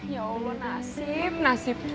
ya allah nasib nasib